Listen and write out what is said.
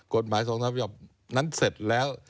กฎหมาย๒๓ฉบับนั้นเสร็จแล้ว